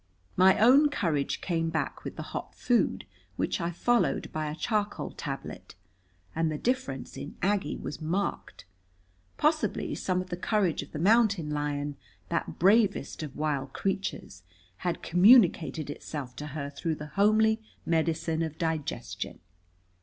My own courage came back with the hot food, which I followed by a charcoal tablet. And the difference in Aggie was marked. Possibly some of the courage of the mountain lion, that bravest of wild creatures, had communicated itself to her through the homely medicine of digestion.